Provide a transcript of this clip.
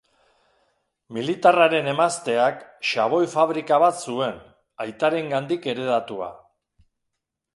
Militarraren emazteak xaboi fabrika bat zuen, aitarengandik heredatua.